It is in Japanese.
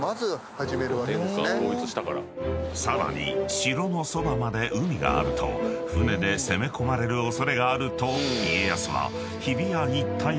［さらに城のそばまで海があると船で攻め込まれる恐れがあると家康は日比谷一帯の］